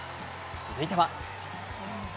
続いては。